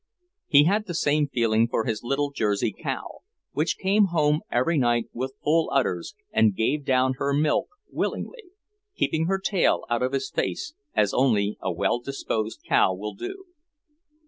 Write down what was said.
He had the same feeling for his little Jersey cow, which came home every night with full udders and gave down her milk willingly, keeping her tail out of his face, as only a well disposed cow will do.